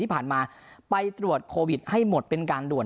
ภัดมาไปตรวจโควิดให้หมดเป็นการด่วน